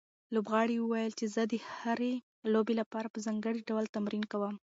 لوبغاړي وویل چې زه د هرې لوبې لپاره په ځانګړي ډول تمرین کوم.